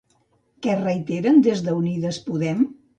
Què reiteren des d'Unides Podem?